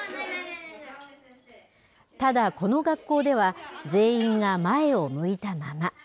ただ、この学校では全員が前を向いたまま。